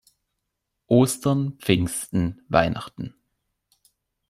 Ostern, Pfingsten, Weihnachten.